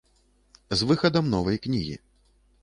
З выхадам новай кнігі.